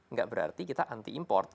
nggak berarti kita anti import